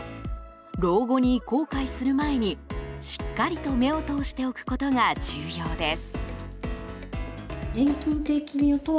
老後に後悔する前にしっかりと目を通しておくことが重要です。